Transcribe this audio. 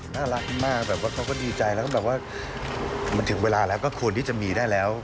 น่ารักมากแบบว่าเขาก็ดีใจแล้วก็แบบว่ามันถึงเวลาแล้วก็ควรที่จะมีได้แล้ว